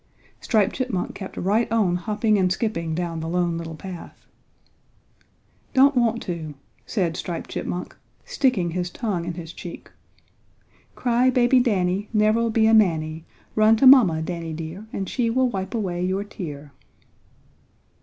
Striped Chipmunk kept right on hopping and skipping down the Lone Little Path. "Don't want to," said Striped Chipmunk, sticking his tongue in his cheek. "Cry baby Danny Never'll be a manny! Run to mamma, Danny, dear, And she will wipe away your tear!"